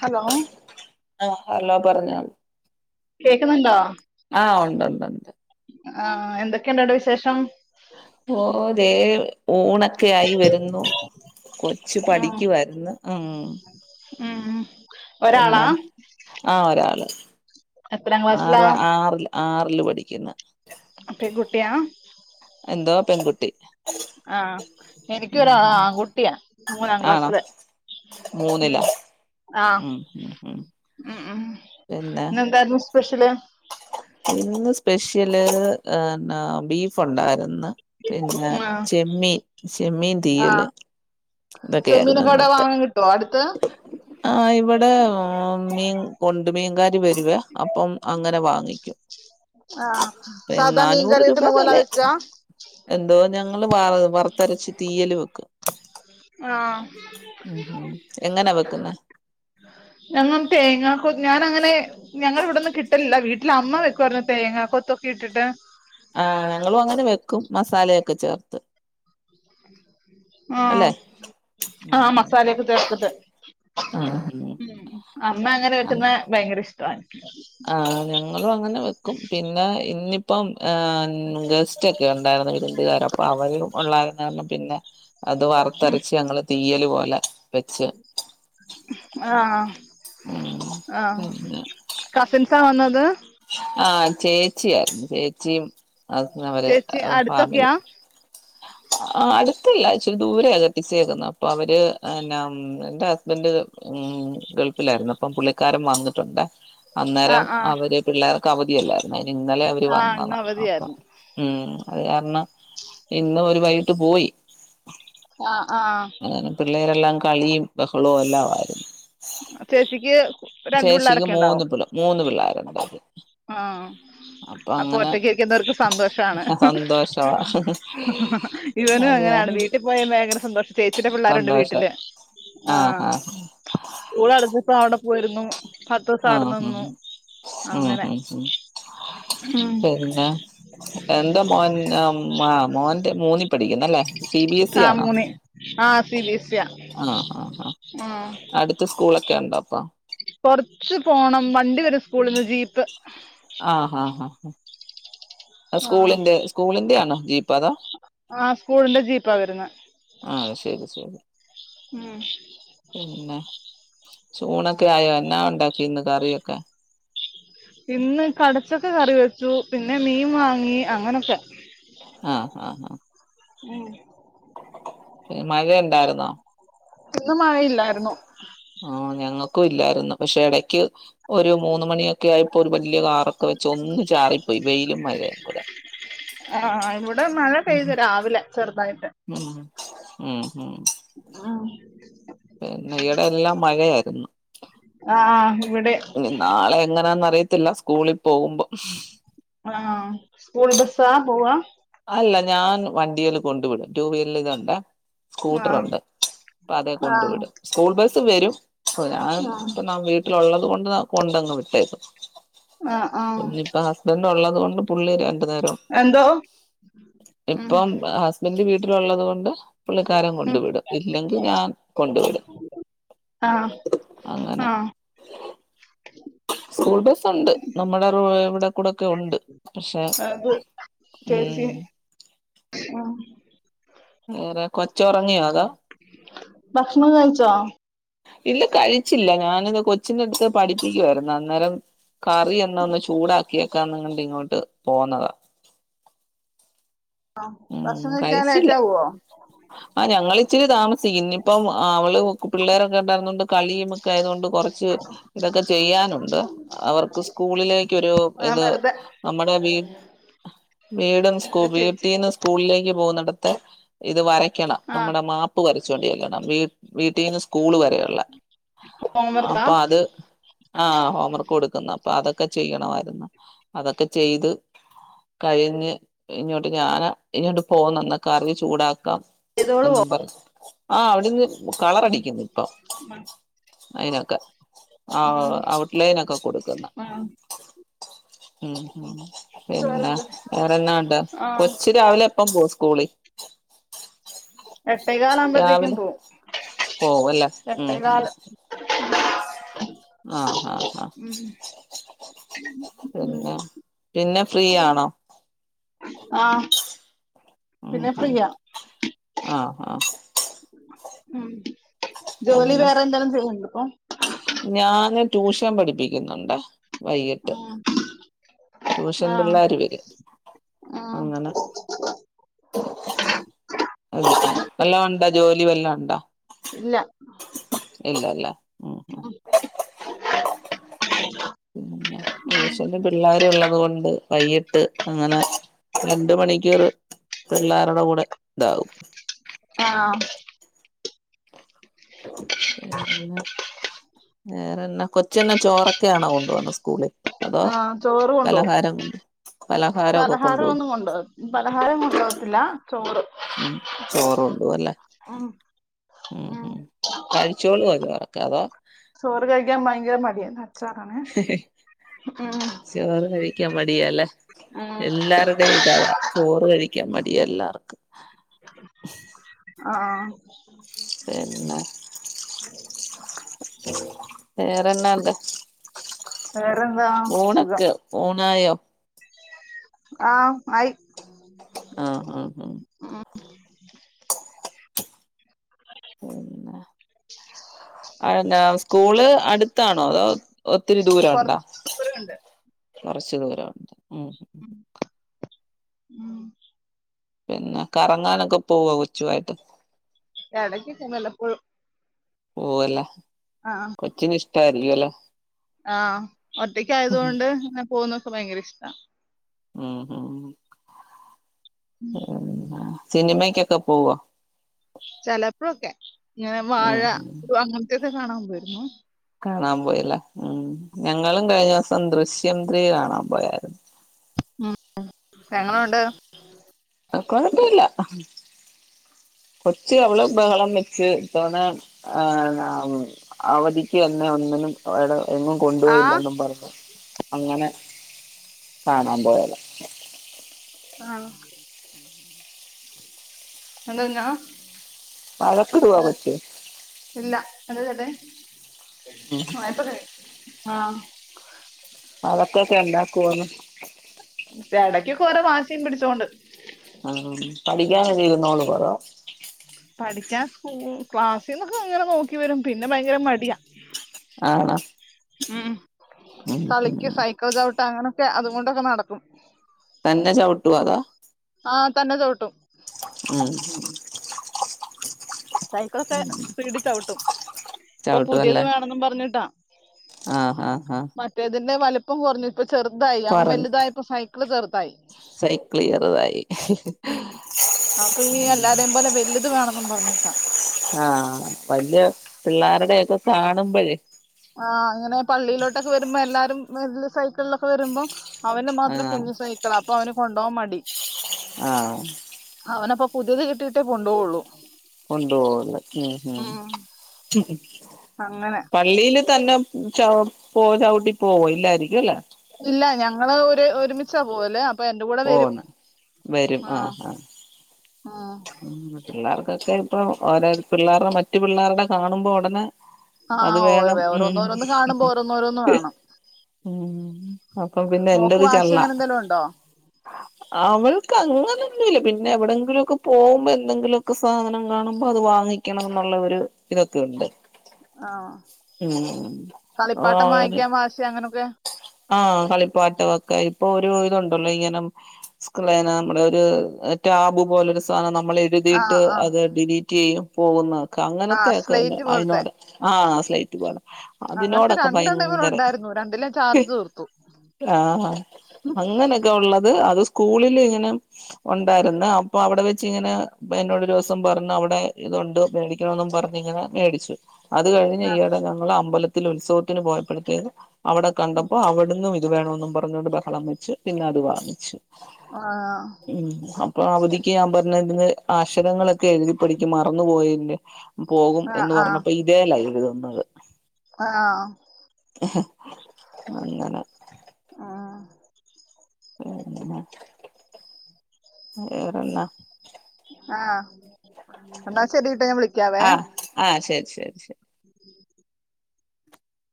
Hello ആഹ് hello പറഞ്ഞതി- കേൾക്കുന്നുണ്ടോ? ആഹ് ഉണ്ട് ഉണ്ട് ഉണ്ട്. ആഹ് എന്തൊക്കെയുണ്ടവിടെ വിശേഷം. ഓ ഓ ദേ ഊണ് ഒക്കെ ആയി വരുന്നു കൊച്ചു ഉം പഠിക്കുവാരുന്നു ഉം ഉം. ഒരാളാ പിന്നെ ആഹ് ഒരാള്. എത്രാം ആറ ക്ലാസ്സിലാ ആറിൽ ആറില് പഠിക്കുന്നു. പെൺകുട്ടിയാ? എന്തോ പെൺകുട്ടി. ആഹ് ഉം എനിക്കൊരു ആള് ഉം ആൺകുട്ടിയാ മൂന്നാം ക്ലാസ്സില്. മൂന്നിലൊ ഉം ആഹ് ഉം ഉം. ഉം ഉം പിന്നെ ഇന്നെന്താർന്നു സ്പെഷ്യല്. ഇന്ന് സ്പെഷ്യല് എന്ന ബീഫ് ഉണ്ടായിരുന്ന്. പിന്നെ ആഹ് ചെമ്മീൻ ചെമ്മീൻ തീയല്- ഇതൊക്കെയായിരുന്നു ചെമ്മീനോക്കെ അവിടെ വാങ്ങാൻ കിട്ടോ അടുത്ത്- ആഹ് ഇവിടെ മീൻ കൊണ്ട് മീൻകാര് വരുവേ അപ്പം അങ്ങനെ വാങ്ങിക്കും. ആഹ് സാധാ നന്നൂറ് മീൻകറി രൂപ വെക്കുന്ന പോലെ വെല. വെക്കാ എന്തോ ഞങ്ങള് വ വറുത്തരച്ച് തീയല് വെക്കും. ആഹ്. എങ്ങനാവെക്ക്ന്നെ ഞങ്ങള് തേങ്ങാകൊക് ഞാനങ്ങനെ ഞങ്ങടിവ്ടൊന്നും കിട്ടല്ല്ല വീട്ടില് അമ്മ വെക്ക്വാർന്ന് തേങ്ങ കൊത്തൊക്കെ ഇട്ടിട്ട് ആഹ് ഞങ്ങളുങ്ങനെ വെക്കും മസാലയൊക്കെ ചേർത്ത് അല്ലെ ആഹ് ഉം ആഹ് ഉം മസാലക്കെ ചേർത്ത്ട്ട് ഉം അമ്മ അങ്ങനെ ആഹ് വെക്ക്ന്നെ ഭയങ്കര്ഷ്ടവാണ് ആഹ് ഞങ്ങളും അങ്ങനെ വെക്കും പിന്നെ ഇന്നിപ്പം ഏഹ് ഗസ്സ് റ്റ്‌ക്കെണ്ടായ്ര്ന്ന് വിര്ന്ത്കാര് അപ്പ അവര് ഒള്ളാര്ന്നാർണം പിന്നെ അത് വറത്തരച്ച് ഞങ്ങള് തീയല് പോലെ വെച്ച് ആഹ് ഉം ആഹ് പിന്നെ കസിൻസാ വന്നത് ആഹ് ചേച്ചിയാ ചേച്ചിം ഹസ് അവര് ചേച്ചി ഫാമിലി അടുത്തൊക്കെയാ ആഹ് അട്ത്തല്ല ഇച്ചിരി ദൂരെയാ കെട്ടിച്ചേക്കുന്നേ അപ്പഅവര് എന്നാ ഉം എന്റെ ഹസ്ബന്റ് ഉം ഗൾഫിലാര്ന്ന് അപ്പം പുള്ളിക്കാരൻ വന്നിട്ടൊണ്ട് അന്നേരം ആഹ് ആഹ് അവര് പിള്ളേർക്ക് അവധിയല്ലാരുന്നോ അയ്നിന്നലെ അവര് ആഹ് ഇന്ന് വന്നതാ അപ്പം അവധിയായിരുന്നു ഉം അത് കാരണം ഇന്ന് ഓര് വൈട്ട് പോയി ആഹ് ആഹ് അങ്ങനെ പിള്ളേരെല്ലാം കളീം ബഹളോം എല്ലാവാരുന്ന് ആഹ് ചേച്ചിക്ക് രണ്ട് ചേശ്ശിക്ക് പിള്ളേരൊക്കെ ഉണ്ടാവും മൂന്ന് പിള്ള മൂന്ന് പിള്ളേര്ള്ളത് ആഹ് അപ്പൊ ഒറ്റക്കിരിക്കുന്നവർക്ക് സന്തോഷാണ് സന്തോഷവാ ഇവനും അത് അങ്ങനാണ് കാരണം വീട്ടി പോയ ഭയങ്കര സന്തോഷം ചേച്ചിടെ പിള്ളേര്ണ്ട് സന്തോഷം വീട്ടില് ആഹ് ആഹ് സ്കൂൾ അടച്ചപ്പോ അവിടെ പോയ്രുന്നു പത്ത് ദിവസം അവിടെ നിന്നു അങ്ങനെ അയ്ശെരി ഉം എന്താ എന്താ മോൻ ആഹ് മ് മോൻ്റെ മൂന്നി പഠിക്കുന്നല്ലേ സി ബി എസ് ഇ ആഹ് ആണോ മൂന്ന് ആഹ് സി ബി എസ്യാ ആഹ് ആഹ് ആഹ് അടുത്ത് സ്കൂളൊക്കെണ്ടോ അപ്പം കൊറച്ച് പോണം വണ്ടി വരും സ്കൂളിന്ന് ജീപ്പ് ആഹ് ഹാ ഹാ ഉം അത് ആഹ് സ്കൂളിന്റെ സ്കൂളിന്റെയാണോ ജീപ്പതോ ആ സ്കൂളിന്റെ ജീപ്പാ വരുന്നെ ആഹ് അത്ശെരി ശെരി ആഹ് പിന്നെ ചൂണക്കെയായോ എന്നാ ഒണ്ടാക്കീന്ന് കറിയക്കെ ഇന്ന് കടച്ചക്ക കറി വെച്ചു പിന്നെ മീൻ വാങ്ങി അങ്ങനൊക്കെ ആഹ് ആഹ് ആഹ് ഉം ഏഹ് മഴണ്ടാര്ന്നോ ഇന്ന് മഴയില്ലാരുന്നു ആഹ് ഞങ്ങക്കും ഇല്ലാരുന്നു പക്ഷെ എടക്ക് ഒരു മൂന്ന് മണിയൊ ക്ക്യായപ്പൊ ഒരു വല്യാ കാറൊക്കെ വെച്ച് ഒന്ന് ചാറിപ്പോയ് വെയ്ലും മഴേം കൂടെ ആഹ് ഇവിടെ മഴ ഉം പെയ്തു രാവിലെ ചെറുതായിട്ട് ഉം ഉം ഉം ആഹ് പിന്നെ ഇടെ എല്ലാം മഴയായിരുന്നു ആഹ് ആഹ് ഇവിടെ ഇനി നാളെ എങ്ങനാന്നറിയത്തില്ല സ്കൂളിൽ പോകുമ്പോം ആഹ് സ്കൂൾ ബസ്സാ പോവാ. അല്ല ഞാൻ വണ്ടിൽ കൊണ്ടു വിടും റ്റുവീല് ണ്ട് സ്കൂട്ടർല് ആഹ് കൊണ്ട് വിടും. അതെ കൊണ്ടു ആഹ് വിടും സ്കൂൾ ബസ് വരും ഞാൻ ആഹ് ഇപ്പ ന വീ ഉളത് കൊണ്ട് കൊണ്ടന്ന്‌ വിട്ടേകും ആഹ് ആഹ് പിന്നപ്പ. ഇതണ്ട ഉള്ളത് കൊണ്ട് പുളര് രണ്ടു നേരം. എന്തോ. ഉം ഇപ്പം ഹസ്ബൻഡ വീട്ടിലള്ളത് കൊണ്ട്. പുള്ളിക്കാരൻ ഉം കൊണ്ടു വിടും ഇല്ലെങ്കിൽ ഞാൻ കൊണ്ടു വിടും. ആഹ് അങ്ങനെ ആഹ് സ്കൂൾ ബസുണ്ട് നമ്മുടെ [unintelligible] ഇവിടെ. കൂടൊക്കെ ഉണ്ട് പക്ഷെ അത് ഉം ആഹ് വേറെ കൊച്ചറങ്ങിയോ അതാ. ഭക്ഷണം കൈയിച്ചോ. ഇല്ല കഴിച്ചില്ല ഞാനിത് കൊച്ചിന്റെ അടുത്ത് പഠിപ്പിക്കയിരുന്നു അന്നേരം. കറി എന്ന ഒന്ന് ചൂടാക്കിയക്കാ നിങ്ങട്ട് ഇങ്ങോട്ട് പോന്നതാ. ആഹ് ഭക്ഷ്ണം കഴിചാൻ ലേറ്റാവോ. ആഹ് ഞങ്ങള് ഇച്ചിരി താമസികും ഇന്നയിപ്പം അവള് പിള്ളേരൊക്കെ ഉണ്ടായിരുന്നണ്ട് കളിയും. ആയതുകൊണ്ട് കുറച്ച് ഇതൊക്കെ ചെയ്യാനുണ്ട് അവർക്ക് സ്കൂളിലേക്ക് ഒരു ആ ഇത്. വെറുതെ നമ്മടെ വീട് വീടും സ്കൂ ചേച്ചി വീട്ടീന്ന് സ്കൂളിലേക്ക് പോകുന്നിടത് ഇത് വരയ്ക്കണം ആ നമ്മുടെ മാപ്പ് വരചോണ്ട് ചെല്ലണം. വീട്ടന്ന് സ്കൂള് വരെയ ഉുള്ള ഹോംവർക്കാ അപ്പൊ അത്. ആഹ ഹോംവർക്ക് കൊടുക്കുന്നു അപ്പൊ അതൊക്കെ ചെയ്യണമായിരുന്നു അതൊക്കെ ചെയ്ത്. കഴിഞ്ഞ് ഇങ്ങോട് ഞാൻ ഇങ്ങോട്ട് പോന്ന് അന്നൊ കറി ചൂടാക്കാം ചെയ്തോളുവോ എന്നും പറ ആഹ് അവിടെന്ന് ഉം, കളർടിക്കുന്നു ഇപ്പൊ ആ, അതിനൊക്കെ. ഉം, ആഹ് ഔട്ട്ലൈനക്കെ കൊടുക്കുന്നണ്ട്. ആ. ഉം പിന്നെ ചോറെടുക്ക്. വേറെന്നാണ്ട് ആ കൊച് രാവിലെ. പപ്പം പോ സ്കൂളി. എട്ടൈകാലകുമ്പോത്തേക്കും രാവിലെ അല്ലേ പോവും ഉം ഉം എട്ടേകാല്. ആഹ് ആഹ് ആഹ്. ഉം, ഉം. പിന്നെ പിന്നെ ഫ്രീ ആണോ. ആഹ് ഉം ഉം ആഹ് ആഹ്. ഉം ജോലി പിന്നെ വേറെ എന്തേലും ചെയ്യുന്നുണ്ടോഇപ്പൊ. ഞാന് ട്യൂഷൻ പഠിപ്പിക്കുന്നുണ്ടെ വൈകിട്ട്. ഉം, ട്യൂഷൻ ആ പിള്ളേര് വെരും ആ, അങ്ങനെ. വല്ലോണ്ടോ ജോലി വലോ ഉണ്ടോ. ഇല്ല. ഇല്ലല്ല ഉം. ഉം. പിന്നെ ട്യൂഷന് പിള്ളേരു ഉള്ളത് കൊണ്ട് വൈകിട്ട് അങ്ങനെ. രണ്ട് മണിക്കൂറ് പിള്ളേരുടെ കൂടെ ഇണ്ടാവും. ആഹ് വേറെന്ന കൊ ഉച്ചഛെന് ചോറൊക്കെ ആണോ കൊണ്ടോണ് സ്കൂളിൽ. അതോ ആഹ് ചോറ് കൊണ്ടോവും പലഹാരം കൊണ്ട് പലഹാരമൊക്കെ പലഹാരം കൊണ്ടുപോകും ഒന്നും കൊണ്ടോവും പലഹാരം കൊണ്ടോ വത്തില്ല ചോറ് ഉം ചോറ് കൊണ്ടോവും അല്ലേ. ഉം ഉം കഴിച്ചോളുവോ ചോറൊക്കെ അതോ ചോറ് കഴിക്കാൻ ഭയങ്കര മടിയാണ് അച്ചാറാണെ ഹെ ഹെ ഉം. ചോറ് കഴിക്കാൻ മടിയാല്ലേ ഉം എല്ലാരുടെയും ഇതാതാ ചോറ് കഴിക്കാൻ മടിയ എല്ലാർക്കും ഹ ആഹ് പിന്നെ വേറെന്നാ ഉണ്ട് വേറെന്താ ഊണൊക്കെ ഊണായോ? ആം ആയി ആഹ്ആഹ് ആഹ് പിന്നെ സ്കൂള് അടുത്താണോ അതോ ഒത്തിരി ദൂരുണ്ടോ കൊറച്ച് ദൂരണ്ട് കുറച്ച് ദൂരംണ്ട് ഉം. ഉം. പിന്നെ കറങ്ങാനൊക്കെ പോവ കൊച്ചു ആയിട്ട്. ഇടക്കൊക്കെ വല്ലപ്പോഴും പോവു അല്ലേ ആ കൊച്ചിന് ഇഷ്ട ആയിരിക്കുല്ല ആഹ് ഒറ്റക്ക് ആയത് കൊണ്ട്ങ്ങെനെ പോകുന്നൊക്കെ ഭയങ്കര ഇഷ്ട ഉം ഹും സിനിമക്കൊക്കെ പോവോ ചിലപ്പോഴൊക്കെ ഇങ്ങനെ ഉം വാഴ ഉം ടു അങ്ങനത്തൊക്കെ കാണാൻ പോയിരുന്നു. കാണാൻ പോയില്ല ഉം ഞങ്ങളും കഴിഞ്ഞ ദിവസം ദൃശ്യം ത്രീ കാണാൻ പോയായിരുന്നു ഉം എങ്ങനുണ്ട് ആ കുഴപ്പില്ല കൊച്ച് അവള് ബഹളം വെച്ച് ഇതവണ ആഹ് അവധിക്ക് എന്നന്നെ ഒന്നിനും അവിടെ ഒന്നും ആ കൊണ്ട്പോയില്ലെന്നും പറഞ്ഞു അങ്ങനെ കാണാൻ പോയത ആഹ് എന്ത്ഞ്ഞാ? വഴക്കിടുവ കൊച്ച് ഇല്ല എന്താ ചേട്ടായി ഇപ്പ കഴിയും ആഹ് വഴക്കൊക്കെ ഉണ്ടാക്കുവോന്ന് ചേടക്കൊക്കെ ഓരോ വാശിയും പിടിച്ചോണ്ട് ആ ഹ്പഠിക്കാൻ കഴിയില്ലെന്ന് ഓള് പറോ പഠിക്കാൻ സ്കൂ ക്ലാസ്സിൽ നിന്നൊക്കെ നോക്കി വരും പിന്നെ ഭയങ്കര മടിയ ആണോ. ഉം ഉം കളിക്ക് ഉം സൈക്കൾ ചവിട്ട് അങ്ങനൊക്കെ അതുകൊണ്ടൊക്കെ നടക്കും തന്നെ ചവിട്ടുവോ അതോ ആഹ് തന്നെ ചവിട്ടും ഉം സൈക്കിളൊക്കെ സ്പീഡ് ചവിട്ടും ഇപ്പൊ പുതിയത് ചവിട്ടുവല്ലേ വേണെന്നും പറഞ്ഞിട്ടാ ആഹ് ഹ ഹ ഹ മറ്റേതിന്റെ വലിപ്പം കുറഞ്ഞു ഇപ്പൊ ചെറുതായി അവൻ വലുതായി ഇപ്പ സൈകിള് ചെറുതായി സൈക്കിൾ ചെറുതായി ഉം അപ്പൊ ഈ എല്ലാരെയും പോലെ വലുത് വേണമെന്നും പറഞ്ഞിട്ടാ ആഹ് വലിയ പിള്ളേരുടൊക്കെ കാണുമ്പോഴേ ആഹ്അങ്ങനെ പള്ളിയിലോട്ടൊക്കെ വരുമ്പോ എല്ലാരും വലിയ സൈക്കിളിലൊക്കെ വരുമ്പോ അവന് മാത്രം ആഹ് കുഞ്ഞു സൈക്കിള അപ്പൊ അവന് കൊണ്ടുപോവാൻ മടി ആഹ് അവനപ്പൊ പുതിയത് കിട്ടിയിട്ടേ കൊണ്ടോവൊള്ളു. കൊണ്ടോവൊള്ള് ഉം ഉം ഹ് ഉം അങ്ങനെ പള്ളീൽ തന്നെ ച്ചവോ പോ ചവിട്ടി പോവോ ഇല്ലായിരിക്കു ല്ല? ഇല്ല ഞങ്ങള് ഒര് ഒരുമിച്ചാ പോവല് അപ്പ എന്റെ കൂടെ വെരും പോന്ന് ആഹ്. ആഹ് ഉം പിള്ളേർക്കൊക്കെ ഇപ്പ ഓരോ പിള്ളേരേ മറ്റു പിള്ളേരുടെ കാണുമ്പോ ഒടനെ അത് വേണം ഉം ഓരോന്ന് വേണം ഉം അപ്പം പിന്നെ മോക്ക് എന്റത് വാശി ചെള്ള അങ്ങനെ എന്തെലും [inaudible] അവൾക്ക് അങ്ങനെന്നുല്ല പിന്നെ എവിടെങ്കിലുംക്കെ പോകുമ്പോ എന്തെങ്കിലൊക്കെ സാധനം കാണുമ്പോ അത് വാങ്ങി ക്കണം എന്നുള്ള ഒര് ഇതൊക്കെയുണ്ട്. ആഹ് ഉം ആര് ആശെ അങ്ങനൊക്കെ ആഹ് കളിപ്പാട്ടം ഒക്കെ ഇപ്പൊ ഒരു ഇതുണ്ടല്ലോ ഇങ്ങനെ സ്ക്ലേന നമ്മളെരു ടാബ് പോലൊരു സാനം നമ്മളെ ആഹ് എഴ്തിട്ട് ആഹ് അത് ഡിലീറ്റെയ്യും. പോകുന്ന ക്ക ആഹ് അങ്ങനത്തെയക്കെ സ്ലേറ്റ് പോലത്തെ അയ്നോട് ആഹ് സ്ലൈറ്റ് പോലെ. അങ്ങനത്തെ അതിനോടക്കെ രണ്ടെണ്ണം ഇവന് ഭയങ്കര ഉണ്ടായിരുന്നു രണ്ടിലെ ഹ് ചാർജ് തീർത്തു ആഹ് അങ്ങ് ങ്ങനൊക്കെ ഒള്ളത് അത് സ്കൂളിൽങ്ങനെ ഒണ്ടായിരുന്ന അപ്പ അവടെ വെച്ച്ങ്ങനെ പ്പ എന്നോടൊരുസം പറഞ്ഞ് അഒടെ ഇതുണ്ട് മേടിക്കണോന്നും പറഞ്ഞ്ങ്ങനെ മേടിച്ചു. അത് കഴിഞ്ഞ് ആഹ് ഈയിടെ ഞങ്ങള് അമ്പലത്തിൽ ഉത്സവത്തിന് പോയപ്പെയ്ത്തേക്ക് അവടെ കണ്ടപ്പോ അവിട്ന്നും ഇത് വേണൊന്നും പറഞ്ഞോണ്ട് ബഹളം വെച്ച് പിന്നെ അത് വാങ്ങിച്ച്. ആഹ് ഉം അപ്പ അവധിക്ക് ഞാ പറഞ്ഞത് ന്ന് അക്ഷരങ്ങളൊക്കെ എഴുതി പഠിക്കും മറന്നു പോയേന്റെ പോകും എന്ന് ആഹ് പറഞ്ഞപ്പേ ഇതേല്ല എഴ്ത് തന്നത്. ആഹ് അങ്ങനെ ആഹ് വേറെന്നാ വേറെന്നാ? ആഹ് ന്നാശെരിട്ട ഞാൻ വിളി ആഹ് ആഹ് ശെരി ശെര് ശെ ഉം